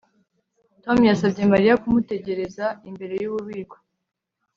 Tom yasabye Mariya kumutegereza imbere yububiko